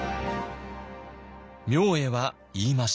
明恵は言いました。